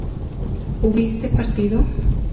¿hubiste partido?